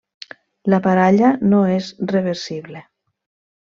La baralla no és reversible.